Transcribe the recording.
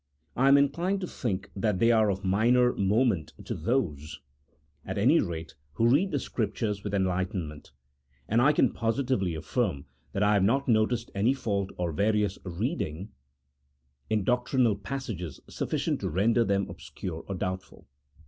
I am inclined to think that they are of minor moment to those, at any rate, who read the Scriptures with enlightenment : and I can positively affirm that I have not noticed any fault or various reading in doctrinal passages sufficient to render them obscure or doubtful.